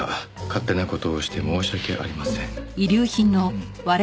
「勝手なことをして申し訳ありません」